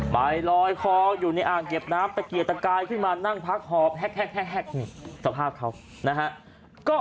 ไบลอยคล้ออยู่ในอ่างเก็บน้ำแตะเกียดตะกายขึ้นมานั่งพักหอบแห็ก